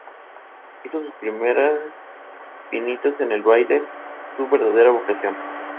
Obras del afamado grabador suizo, Leopold Luis Robert.